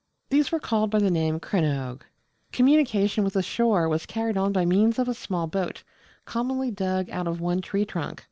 These were called by the name Crannoge. Communication with the shore was carried on by means of a small boat, commonly dug out of one tree trunk.